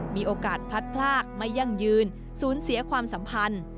มีโอกาสพลัดพลากไม่ยั่งยืนสูญเสียความสัมพันธ์